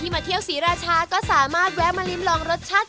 วันนี้ขอบคุณมากนะครับ